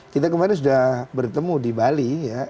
kita kemarin sudah bertemu di bali